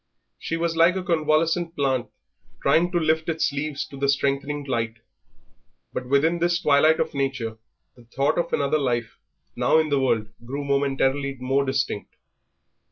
She was like a convalescent plant trying to lift its leaves to the strengthening light, but within this twilight of nature the thought of another life, now in the world, grew momentarily more distinct.